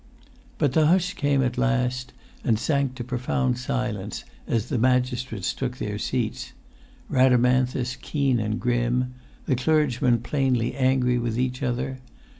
But the hush came at last, and sank to profound silence as the magistrates took their seats—Rhadamanthus keen and grim—the clergymen plainly angry with each other.